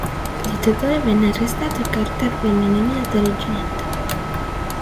Il dittatore viene arrestato e Carter viene nominata reginetta.